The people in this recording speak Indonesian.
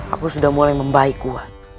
aku sudah mulai membaikku